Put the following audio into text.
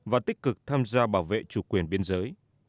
và tích cực tham gia bảo vệ chủ quyền biên giới